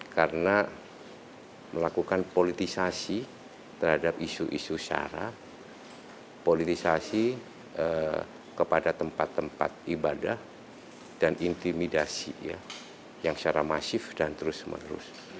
karena melakukan politisasi terhadap isu isu syara politisasi kepada tempat tempat ibadah dan intimidasi ya yang secara masif dan terus menerus